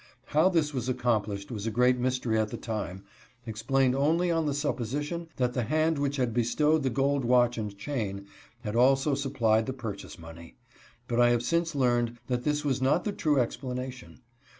How this was accomplished was a great mystery at the time, explained only on the supposition that the hand which had bestowed the gold watch and chain had also supplied the purchase money, but I have since learned that this was not the true explanation.